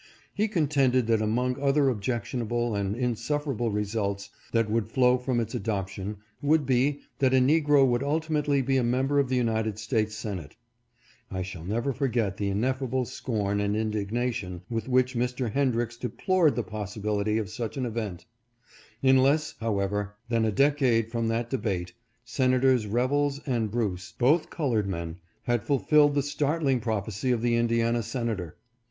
He contended that among other objectionable and insufferable results that would flow from its adoption, would be, that a negro would ultimately be a member of the United States Senate. I never shall forget the ineffable scorn REVELS AND BRUCE, SENATORS. 471 and indignation with which Mr. Hendricks deplored the possibility of such an event. In less, however, than a decade from that debate, Senators Revels and Bruce, both colored men, had fulfilled the startling prophecy of the Indiana senator.